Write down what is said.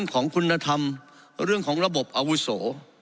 ของคุณธรรมเรื่องของระบบอาวุโส